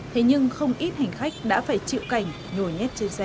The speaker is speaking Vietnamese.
thế nhưng không ít hành khách đã phải chịu cảnh nhồi nhét trên xe